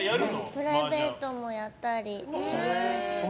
プライベートもやったりします。